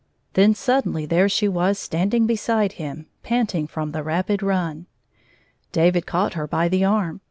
— Then suddenly there she was steading Mde him, p»>tmg from tbe rapid ran. David caught her hy the arm.